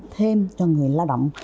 thêm cho người lao động